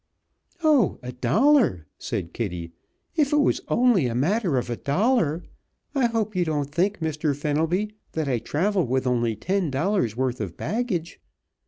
"Oh! a dollar!" said Kitty. "If it was only a matter of a dollar! I hope you don't think, Mr. Fenelby, that I travel with only ten dollars' worth of baggage!